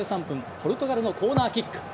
ポルトガルのコーナーキック。